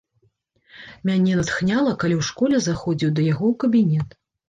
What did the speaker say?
Мяне натхняла, калі ў школе заходзіў да яго ў кабінет.